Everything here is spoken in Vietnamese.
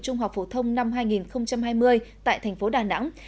trung học phổ thông năm hai nghìn hai mươi tại tp đà nẵng